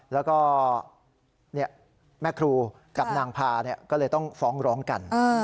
แล้วก็แม่ครูกับนางพาก็เลยต้องฟ้องร้องกัน